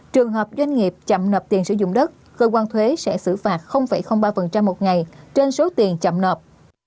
trường hợp doanh nghiệp chậm nộp tiền sử dụng đất cơ quan thuế sẽ xử phạt ba một ngày trên số tiền chậm nộp